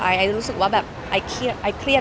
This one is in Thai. ไอซ์รู้สึกว่าแบบไอเครียด